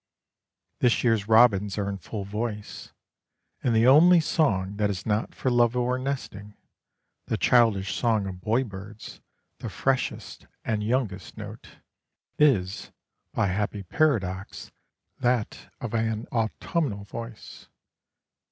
This year's robins are in full voice; and the only song that is not for love or nesting the childish song of boy birds, the freshest and youngest note is, by a happy paradox, that of an autumnal voice.